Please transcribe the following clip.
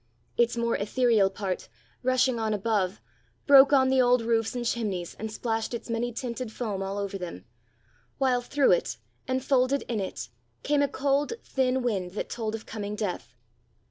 Its more etherial part, rushing on above, broke on the old roofs and chimneys and splashed its many tinted foam all over them; while through it and folded in it came a cold thin wind that told of coming death.